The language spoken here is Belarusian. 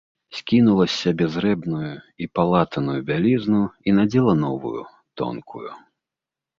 Скінула з сябе зрэбную і палатаную бялізну і надзела новую, тонкую.